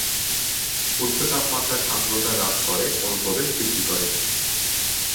উচ্চ তাপমাত্রা সান্দ্রতা হ্রাস করে, অনুপ্রবেশ বৃদ্ধি করে।